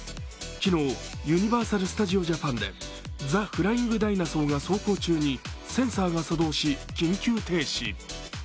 昨日、ユニバーサル・スタジオ・ジャパンでザ・フライング・ダイナソーが走行中にセンサーが作動し、緊急停止。